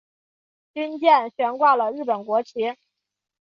军舰悬挂了日本国旗。